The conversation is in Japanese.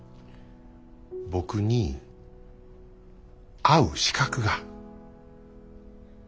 僕に会う資格がない。